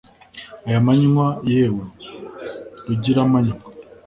aya manywa yewe rugiramanywa